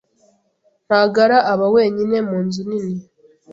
Ntagara aba wenyine mu nzu nini